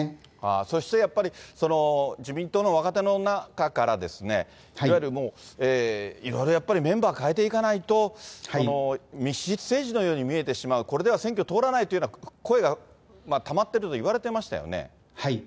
そしてやっぱり、自民党の若手の中からですね、いわゆるいろいろやっぱりメンバー変えていかないと、密室政治のように見えてしまう、これでは選挙通らないという声がたまってるといわれてましたよね。